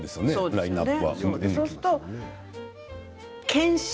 ラインナップは。